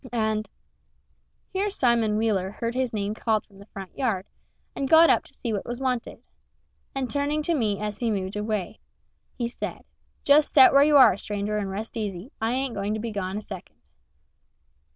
And [Here Simon Wheeler heard his name called from the front yard, and got up to see what was wanted.] And turning to me as he moved away, he said: "Just set where you are, stranger, and rest easy I ain't going to be gone a second."